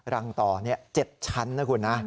รังต่อ๗ชั้นนะคุณนะ